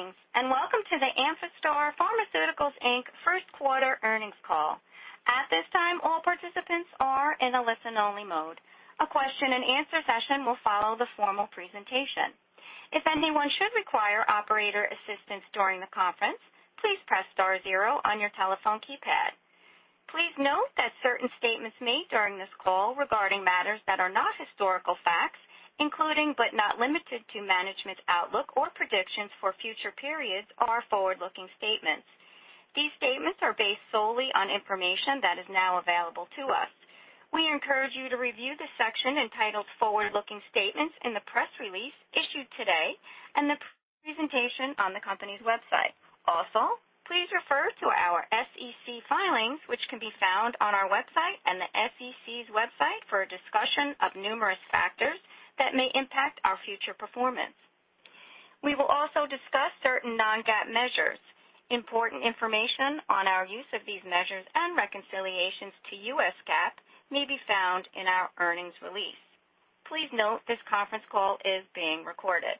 Greetings, welcome to the Amphastar Pharmaceuticals, Inc. First Quarter Earnings Call. At this time, all participants are in a listen-only mode. A question-and-answer session will follow the formal presentation. If anyone should require operator assistance during the conference, please press star zero on your telephone keypad. Please note that certain statements made during this call regarding matters that are not historical facts, including, but not limited to, management's outlook or predictions for future periods are forward-looking statements. These statements are based solely on information that is now available to us. We encourage you to review the section entitled Forward-Looking Statements in the press release issued today and the presentation on the company's website. Please refer to our SEC filings, which can be found on our website and the SEC's website for a discussion of numerous factors that may impact our future performance. We will also discuss certain non-GAAP measures. Important information on our use of these measures and reconciliations to U.S. GAAP may be found in our earnings release. Please note this conference call is being recorded.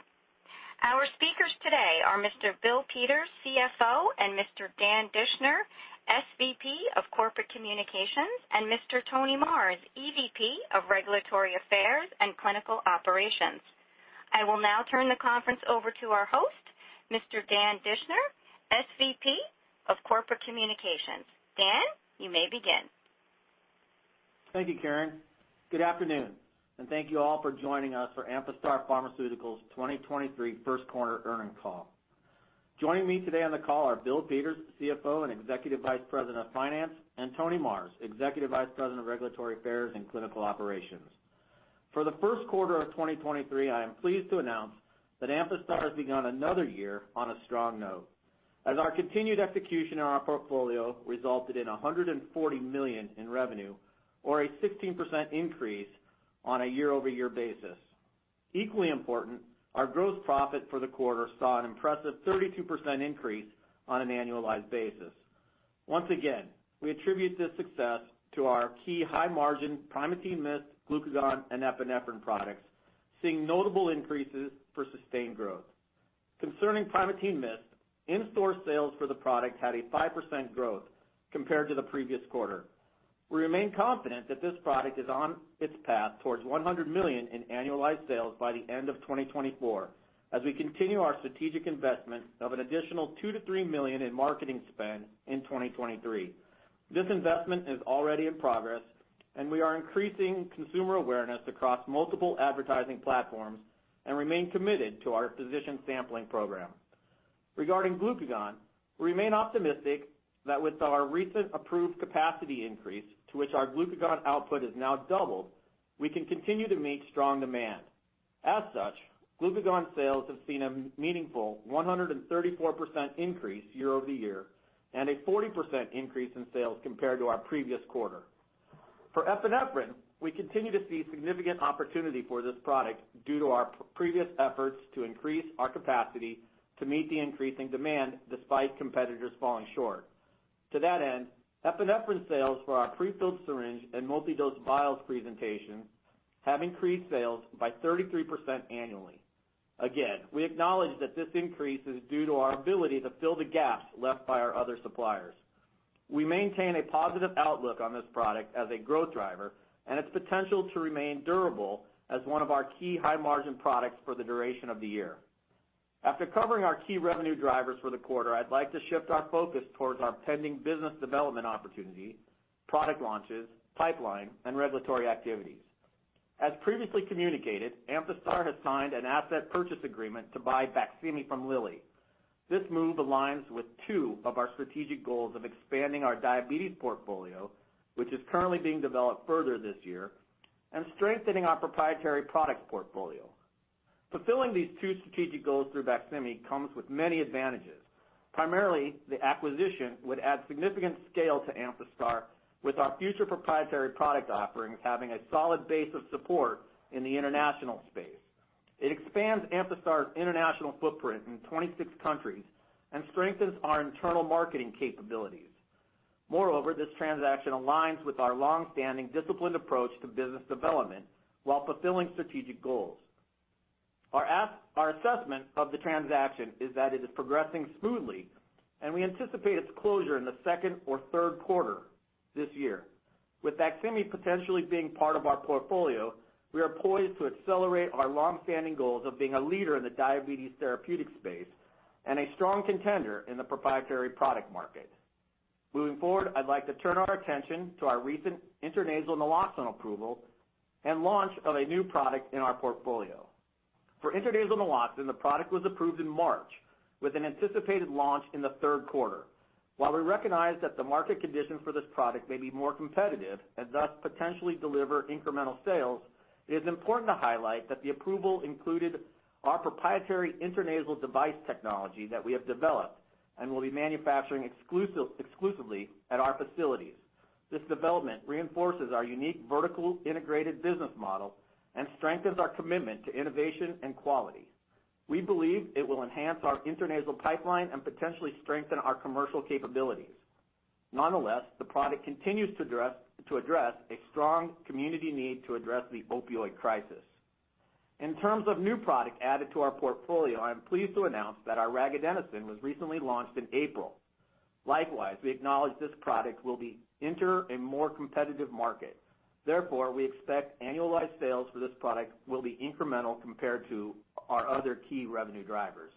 Our speakers today are Mr. Bill Peters, CFO, and Mr. Dan Dischner, SVP of Corporate Communications, and Mr. Tony Marrs, EVP of Regulatory Affairs and Clinical Operations. I will now turn the conference over to our host, Mr. Dan Dischner, SVP of Corporate Communications. Dan, you may begin. Thank you, Karen. Good afternoon, thank you all for joining us for Amphastar Pharmaceuticals' 2023 First Quarter Earnings Call. Joining me today on the call are Bill Peters, CFO and Executive Vice President of Finance, and Tony Marrs, Executive Vice President of Regulatory Affairs and Clinical Operations. For the first quarter of 2023, I am pleased to announce that Amphastar has begun another year on a strong note as our continued execution in our portfolio resulted in $140 million in revenue or a 16% increase on a year-over-year basis. Equally important, our gross profit for the quarter saw an impressive 32% increase on an annualized basis. Once again, we attribute this success to our key high-margin Primatene MIST, glucagon, and epinephrine products, seeing notable increases for sustained growth. Concerning Primatene MIST, in-store sales for the product had a 5% growth compared to the previous quarter. We remain confident that this product is on its path towards $100 million in annualized sales by the end of 2024 as we continue our strategic investment of an additional $2 million-$3 million in marketing spend in 2023. This investment is already in progress, and we are increasing consumer awareness across multiple advertising platforms and remain committed to our physician sampling program. Regarding glucagon, we remain optimistic that with our recent approved capacity increase to which our glucagon output is now doubled, we can continue to meet strong demand. As such, glucagon sales have seen a meaningful 134% increase year-over-year and a 40% increase in sales compared to our previous quarter. For epinephrine, we continue to see significant opportunity for this product due to our previous efforts to increase our capacity to meet the increasing demand despite competitors falling short. Epinephrine sales for our prefilled syringe and multi-dose vials presentation have increased sales by 33% annually. Again, we acknowledge that this increase is due to our ability to fill the gaps left by our other suppliers. We maintain a positive outlook on this product as a growth driver and its potential to remain durable as one of our key high-margin products for the duration of the year. After covering our key revenue drivers for the quarter, I'd like to shift our focus towards our pending business development opportunity, product launches, pipeline, and regulatory activities. As previously communicated, Amphastar has signed an asset purchase agreement to buy BAQSIMI from Lilly. This move aligns with two of our strategic goals of expanding our diabetes portfolio, which is currently being developed further this year, and strengthening our proprietary product portfolio. Fulfilling these two strategic goals through BAQSIMI comes with many advantages. Primarily, the acquisition would add significant scale to Amphastar with our future proprietary product offerings having a solid base of support in the international space. It expands Amphastar's international footprint in 26 countries and strengthens our internal marketing capabilities. This transaction aligns with our long-standing disciplined approach to business development while fulfilling strategic goals. Our assessment of the transaction is that it is progressing smoothly, and we anticipate its closure in the second or third quarter this year. With BAQSIMI potentially being part of our portfolio, we are poised to accelerate our long-standing goals of being a leader in the diabetes therapeutic space and a strong contender in the proprietary product market. Moving forward, I'd like to turn our attention to our recent intranasal naloxone approval and launch of a new product in our portfolio. For intranasal naloxone, the product was approved in March with an anticipated launch in the third quarter. While we recognize that the market conditions for this product may be more competitive and thus potentially deliver incremental sales, it is important to highlight that the approval included our proprietary intranasal device technology that we have developed and will be manufacturing exclusively at our facilities. This development reinforces our unique vertical integrated business model and strengthens our commitment to innovation and quality. We believe it will enhance our intranasal pipeline and potentially strengthen our commercial capabilities. Nonetheless, the product continues to address a strong community need to address the opioid crisis. In terms of new product added to our portfolio, I'm pleased to announce that our regadenoson was recently launched in April. Likewise, we acknowledge this product will be enter a more competitive market. Therefore, we expect annualized sales for this product will be incremental compared to our other key revenue drivers.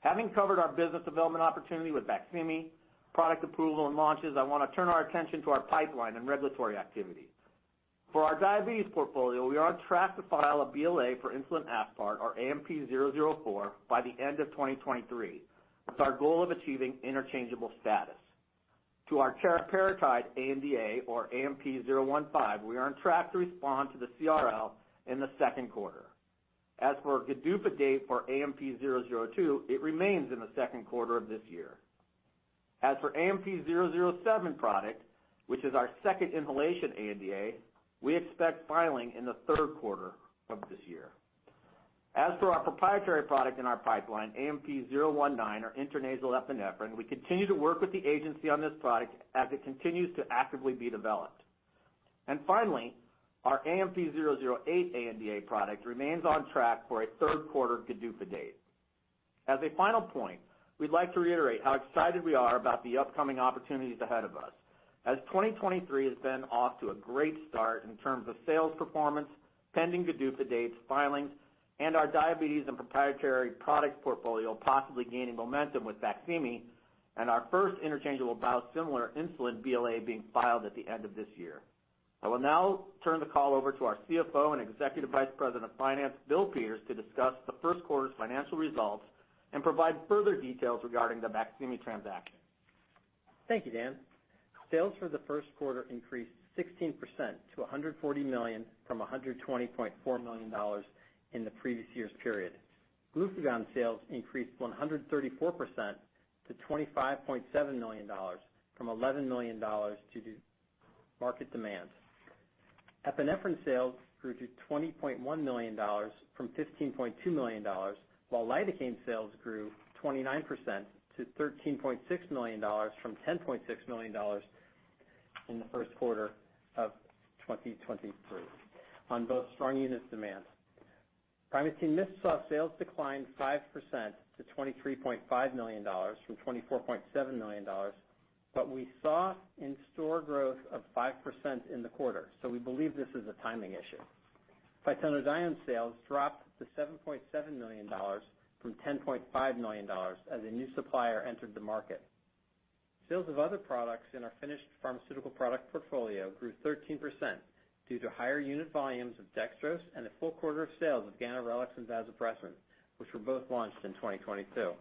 Having covered our business development opportunity with BAQSIMI, product approval, and launches, I wanna turn our attention to our pipeline and regulatory activities. For our diabetes portfolio, we are on track to file a BLA for insulin aspart, our AMP-004, by the end of 2023, with our goal of achieving interchangeable status. To our teriparatide ANDA, or AMP-015, we are on track to respond to the CRL in the second quarter. As for GDUFA date for AMP-002, it remains in the second quarter of this year. As for AMP-007 product, which is our second inhalation ANDA, we expect filing in the third quarter of this year. As for our proprietary product in our pipeline, AMP-019, or intranasal epinephrine, we continue to work with the agency on this product as it continues to actively be developed. Finally, our AMP-008 ANDA product remains on track for a third quarter GDUFA date. As a final point, we'd like to reiterate how excited we are about the upcoming opportunities ahead of us, as 2023 has been off to a great start in terms of sales performance, pending GDUFA dates, filings, and our diabetes and proprietary product portfolio possibly gaining momentum with BAQSIMI, and our first interchangeable biosimilar insulin BLA being filed at the end of this year. I will now turn the call over to our CFO and Executive Vice President of Finance, Bill Peters, to discuss the first quarter's financial results and provide further details regarding the BAQSIMI transaction. Thank you, Dan. Sales for the first quarter increased 16% to $140 million from $120.4 million in the previous year's period. Glucagon sales increased 134% to $25.7 million from $11 million due to market demand. Epinephrine sales grew to $20.1 million from $15.2 million, while lidocaine sales grew 29% to $13.6 million from $10.6 million in the first quarter of 2023 on both strong units demand. Primatene MIST saw sales decline 5% to $23.5 million from $24.7 million, but we saw in-store growth of 5% in the quarter, so we believe this is a timing issue. phytonadione sales dropped to $7.7 million from $10.5 million as a new supplier entered the market. Sales of other products in our finished pharmaceutical product portfolio grew 13% due to higher unit volumes of dextrose and a full quarter of sales of ganirelix and vasopressin, which were both launched in 2022.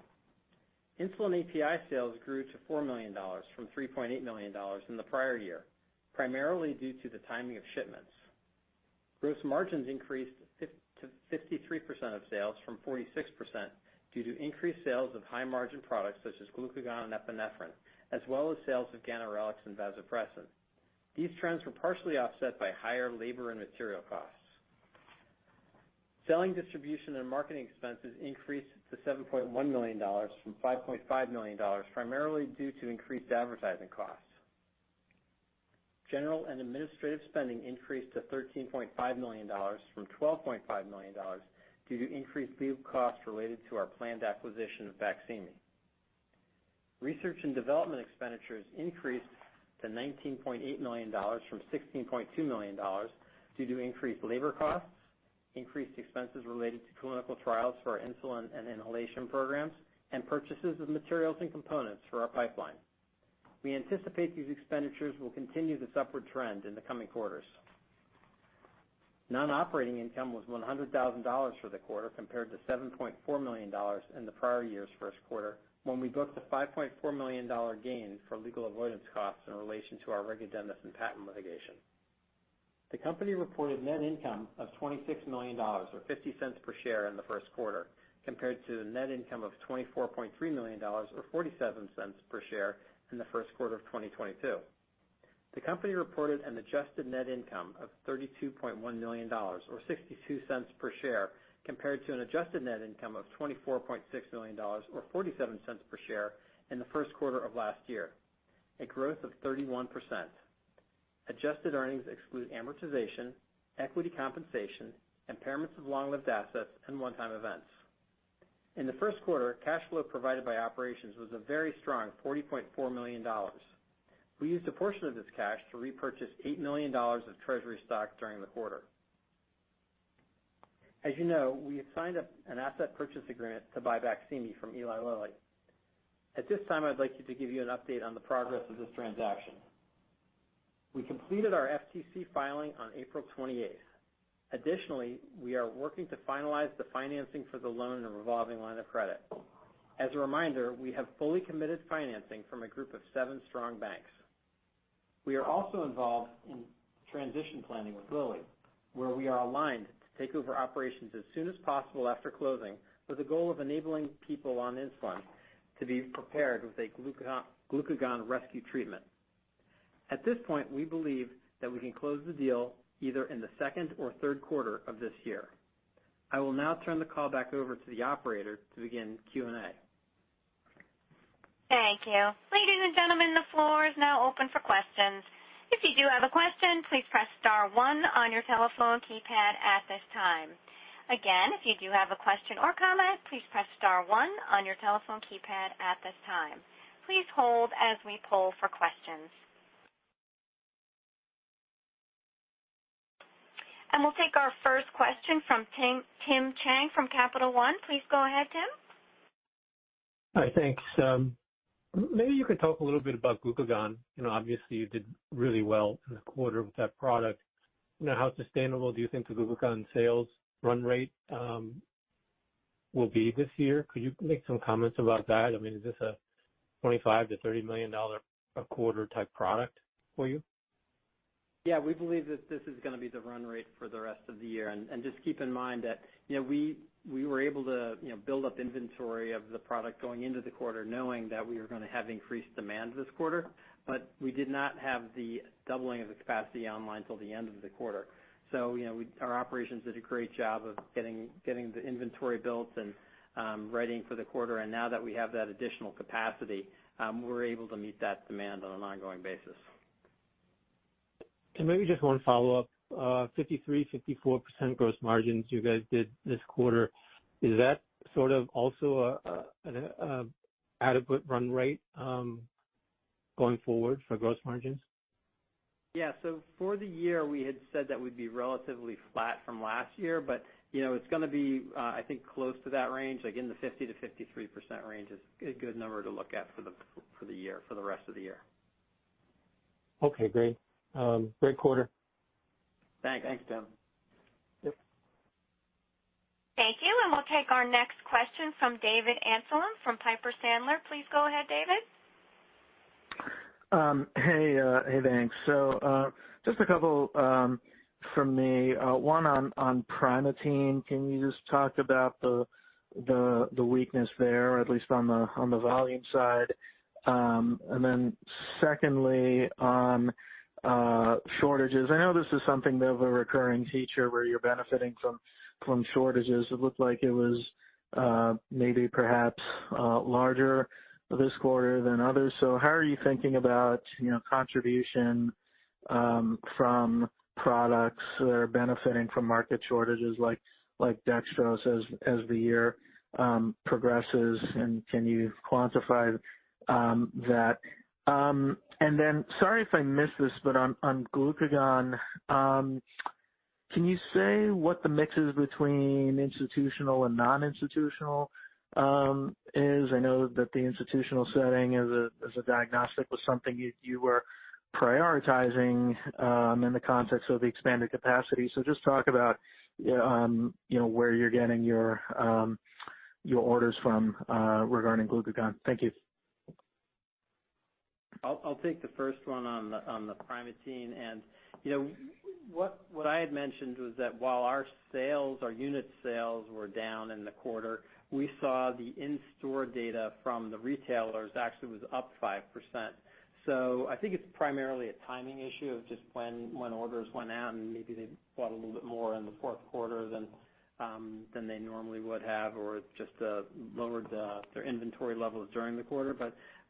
Insulin API sales grew to $4 million from $3.8 million in the prior year, primarily due to the timing of shipments. Gross margins increased to 53% of sales from 46% due to increased sales of high-margin products such as glucagon and epinephrine, as well as sales of ganirelix and vasopressin. These trends were partially offset by higher labor and material costs. Selling, distribution, and marketing expenses increased to $7.1 million from $5.5 million, primarily due to increased advertising costs. General and administrative spending increased to $13.5 million from $12.5 million due to increased legal costs related to our planned acquisition of BAQSIMI. Research and development expenditures increased to $19.8 million from $16.2 million due to increased labor costs, increased expenses related to clinical trials for our insulin and inhalation programs, and purchases of materials and components for our pipeline. We anticipate these expenditures will continue this upward trend in the coming quarters. Non-operating income was $100,000 for the quarter, compared to $7.4 million in the prior year's first quarter when we booked a $5.4 million gain for legal avoidance costs in relation to our regadenoson patent litigation. The company reported net income of $26 million, or $0.50 per share in the first quarter, compared to the net income of $24.3 million, or $0.47 per share in the first quarter of 2022. The company reported an adjusted net income of $32.1 million, or $0.62 per share, compared to an adjusted net income of $24.6 million, or $0.47 per share in the first quarter of last year, a growth of 31%. Adjusted earnings exclude amortization, equity compensation, impairments of long-lived assets, and one-time events. In the first quarter, cash flow provided by operations was a very strong $40.4 million. We used a portion of this cash to repurchase $8 million of treasury stock during the quarter. As you know, we have signed up an asset purchase agreement to buy BAQSIMI from Eli Lilly. At this time, I'd like to give you an update on the progress of this transaction. We completed our FTC filing on April 28th. We are working to finalize the financing for the loan and revolving line of credit. As a reminder, we have fully committed financing from a group of seven strong banks. We are also involved in transition planning with Lilly, where we are aligned to take over operations as soon as possible after closing with the goal of enabling people on insulin to be prepared with a glucagon rescue treatment. At this point, we believe that we can close the deal either in the second or third quarter of this year. I will now turn the call back over to the operator to begin Q&A. Thank you. Ladies and gentlemen, the floor is now open for questions. If you do have a question, please press star one on your telephone keypad at this time. Again, if you do have a question or comment, please press star one on your telephone keypad at this time. Please hold as we poll for questions. We'll take our first question from Tim Chiang from Capital One. Please go ahead, Tim. Hi. Thanks. Maybe you could talk a little bit about glucagon. You know, obviously you did really well in the quarter with that product. You know, how sustainable do you think the glucagon sales run rate will be this year? Could you make some comments about that? I mean, is this a $25 million-$30 million a quarter type product for you? Yeah, we believe that this is gonna be the run rate for the rest of the year. Just keep in mind that, you know, we were able to, you know, build up inventory of the product going into the quarter knowing that we were gonna have increased demand this quarter, but we did not have the doubling of the capacity online till the end of the quarter. You know, our operations did a great job of getting the inventory built and ready for the quarter. Now that we have that additional capacity, we're able to meet that demand on an ongoing basis. Maybe just one follow-up. 53%-54% gross margins you guys did this quarter. Is that sort of also an adequate run rate going forward for gross margins? Yeah. For the year, we had said that we'd be relatively flat from last year, but, you know, it's gonna be, I think close to that range, like in the 50%-53% range is a good number to look at for the, for the year, for the rest of the year. Okay, great. Great quarter. Thanks. Thanks, Tim. Yep. Thank you. We'll take our next question from David Amsellem from Piper Sandler. Please go ahead, David. Hey. Hey, thanks. Just a couple from me, one on Primatene. Can you just talk about the weakness there, at least on the volume side? Secondly, on shortages. I know this is something of a recurring feature where you're benefiting from shortages. It looked like it was maybe perhaps larger this quarter than others. How are you thinking about, you know, contribution from products that are benefiting from market shortages like dextrose as the year progresses, and can you quantify that? Sorry if I missed this, but on glucagon, can you say what the mix is between institutional and non-institutional is? I know that the institutional setting as a diagnostic was something you were prioritizing in the context of the expanded capacity. Just talk about, you know, where you're getting your orders from regarding glucagon. Thank you. I'll take the first one on the, on the Primatene. You know, what I had mentioned was that while our sales, our unit sales were down in the quarter, we saw the in-store data from the retailers actually was up 5%. I think it's primarily a timing issue of just when orders went out, and maybe they bought a little bit more in the fourth quarter than they normally would have or just lowered their inventory levels during the quarter.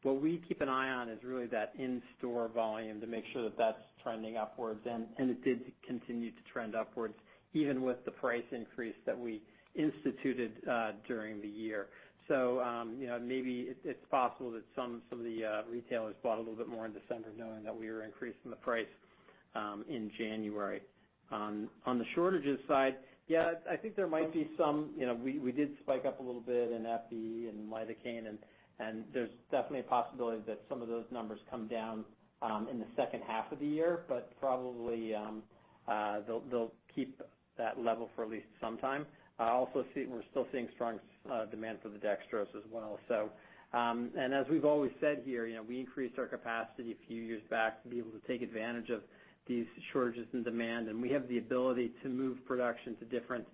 What we keep an eye on is really that in-store volume to make sure that that's trending upwards and it did continue to trend upwards even with the price increase that we instituted during the year. You know, maybe it's possible that some of the retailers bought a little bit more in December knowing that we were increasing the price in January. On the shortages side, yeah, I think there might be some. You know, we did spike up a little bit in epi and lidocaine and there's definitely a possibility that some of those numbers come down in the second half of the year, but probably they'll keep that level for at least some time. Also, we're still seeing strong demand for the dextrose as well. As we've always said here, you know, we increased our capacity a few years back to be able to take advantage of these shortages in demand, and we have the ability to move production to different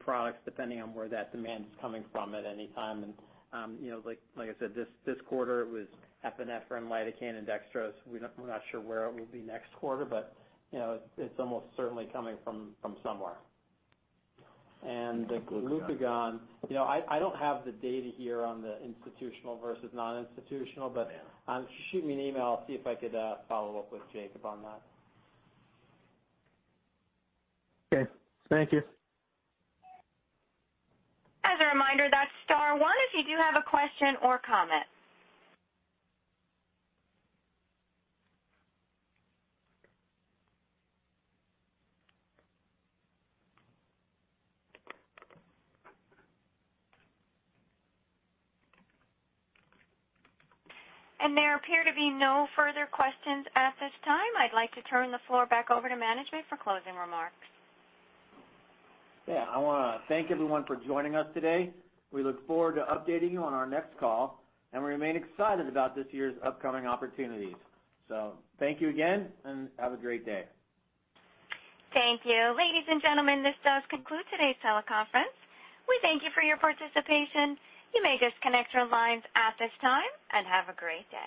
products depending on where that demand is coming from at any time. You know, like I said, this quarter it was epinephrine, lidocaine and dextrose. We're not sure where it will be next quarter, but you know, it's almost certainly coming from somewhere. The glucagon, you know, I don't have the data here on the institutional versus non-institutional, but shoot me an email, I'll see if I could follow up with Jacob on that. Okay. Thank you. As a reminder, that's star one if you do have a question or comment. There appear to be no further questions at this time. I'd like to turn the floor back over to management for closing remarks. Yeah. I want to thank everyone for joining us today. We look forward to updating you on our next call, and we remain excited about this year's upcoming opportunities. Thank you again, and have a great day. Thank you. Ladies and gentlemen, this does conclude today's teleconference. We thank you for your participation. You may disconnect your lines at this time and have a great day.